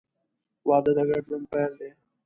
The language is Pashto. • واده د ګډ ژوند پیل دی.